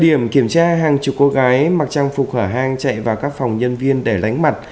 điểm kiểm tra hàng chục cô gái mặc trang phục hở hang chạy vào các phòng nhân viên để lánh mặt